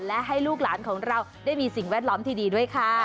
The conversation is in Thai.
และให้ลูกหลานของเราได้มีสิ่งแวดล้อมที่ดีด้วยค่ะ